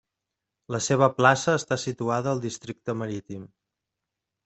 La seva plaça està situada al districte marítim.